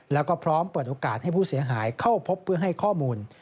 แล้วก็พร้อมเปิดโอกาสให้ผู้เสียหายเข้าพบเพื่อให้ข้อมูล